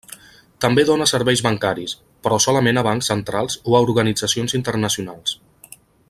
També dóna serveis bancaris, però solament a bancs centrals o a organitzacions internacionals.